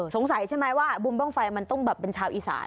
สงสัยใช่ไหมว่าบุมบ้างไฟมันต้องแบบเป็นชาวอีสาน